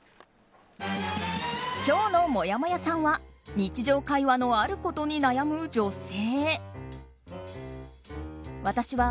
今日のもやもやさんは日常会話のあることに悩む女性。